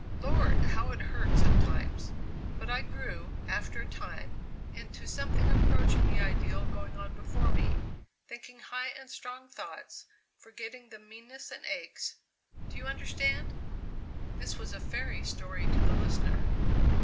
Lord! how it hurt sometimes; but I grew, after a time, into something approaching the ideal going on before me, thinking high and strong thoughts, forgetting the meannesses and aches do you understand?" This was a fairy story to the listener.